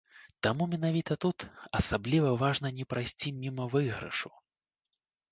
Таму менавіта тут асабліва важна не прайсці міма выйгрышу.